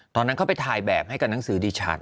ตอนนั้นเขาไปถ่ายแบบให้กับหนังสือดิฉัน